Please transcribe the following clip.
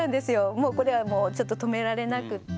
もうこれはもうちょっと止められなくって。